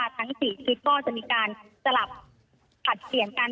ทั้ง๔ชุดก็จะมีการสลับผลัดเกี่ยวกัน